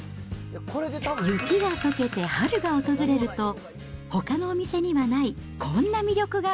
雪がとけて春が訪れると、ほかのお店にはないこんな魅力が。